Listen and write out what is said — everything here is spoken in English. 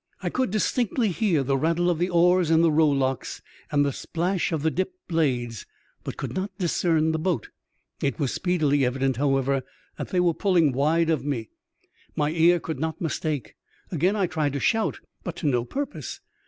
I could distinctly hear the rattle of the oars in the rowlocks and the splash of 3 80 EXTBAOBDINABY ADVENTUIIE OF A CHIEF MATE. the dipped blades, but could not discern the boat. It was speedily evident, however, that they were pulling wide of me. My ear could not mistake. Again I tried to shout, but to no purpose.